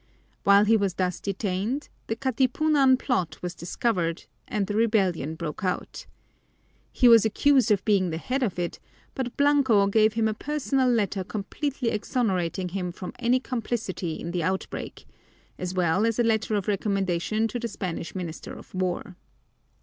While he was thus detained, the Katipunan plot was discovered and the rebellion broke out. He was accused of being the head of it, but Blanco gave him a personal letter completely exonerating him from any complicity in the outbreak, as well as a letter of recommendation to the Spanish minister of war.